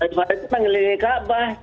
ifadah itu mengelilingi kaabah